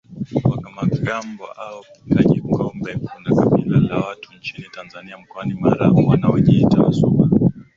wa Kamagambo au Kanyingombe Kuna kabila la watu nchini Tanzania mkoani Mara wanaojiita Wasuba